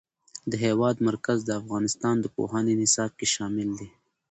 د هېواد مرکز د افغانستان د پوهنې نصاب کې شامل دی.